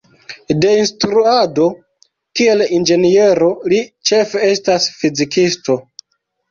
De instruado kiel inĝeniero, li ĉefe estas fizikisto.